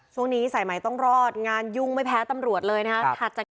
ช่วงนี้สายใหม่ต้องรอดงานยุ่งไม่แพ้ตำรวจเลยนะครับ